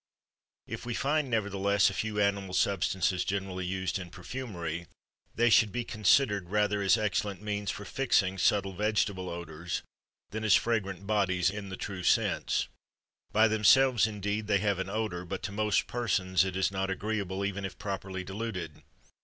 If we find nevertheless a few animal substances generally used in perfumery, they should be considered rather as excellent means for fixing subtle vegetable odors than as fragrant bodies in the true sense. By themselves, indeed, they have an odor, but to most persons it is not agreeable even if properly diluted.